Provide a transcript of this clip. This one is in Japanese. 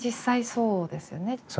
そうですね。